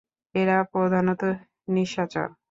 এরা প্রধানত নিশাচর।